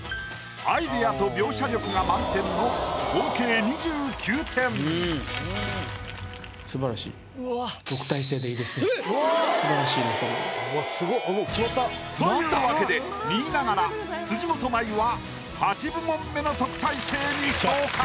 アイディアと描写力が満点の合計２９点。というわけで２位ながら辻元舞は８部門目の特待生に昇格。